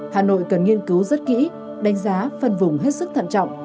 hà nội cần nghiên cứu rất kỹ đánh giá phân vùng hết sức thận trọng